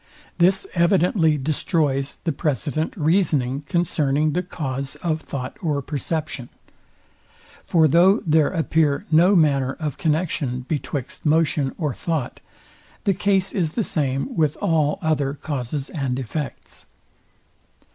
This evidently destroys the precedent reasoning concerning the cause of thought or perception. For though there appear no manner of connexion betwixt motion or thought, the case is the same with all other causes and effects.